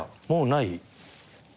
もうない？